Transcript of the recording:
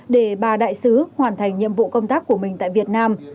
để bà đại sứ hoàn thành nhiệm vụ công tác của mình tại việt nam